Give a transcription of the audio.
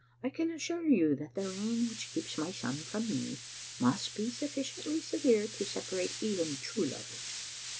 I can assure you that the rain which keeps my son from me must be suffidently severe to separate even true lovers.